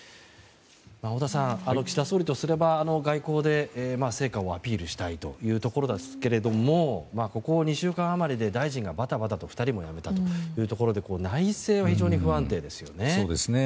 太田さん、岸田総理とすれば外交で成果をアピールしたいというところですけれどもここ２週間あまりで大臣がバタバタと２人も辞めたということで内政は非常に不安定ですよね。